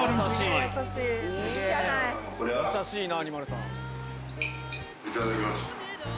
いただきます。